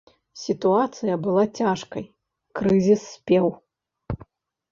Сітуацыя была цяжкай, крызіс спеў.